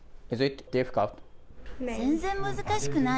全然難しくない。